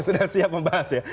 sudah siap membahas ya